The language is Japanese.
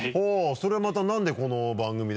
それをまた何でこの番組で？